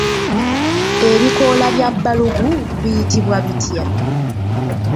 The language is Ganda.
Ebikoola bya balugu biyitibwa bitya?